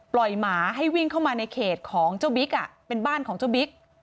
หมาให้วิ่งเข้ามาในเขตของเจ้าบิ๊กเป็นบ้านของเจ้าบิ๊ก